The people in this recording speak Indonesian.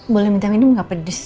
boleh minta minum enggak pedes